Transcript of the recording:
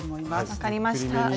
分かりました。